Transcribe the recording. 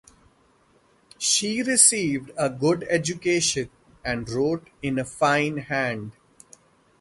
She received a good education and wrote in a fine hand.